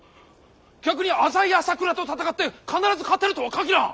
逆に浅井朝倉と戦って必ず勝てるとは限らん！